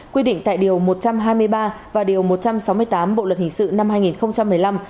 quy định tại điều một trăm hai mươi ba và điều một trăm sáu mươi tám bộ luật hình sự năm hai nghìn một mươi năm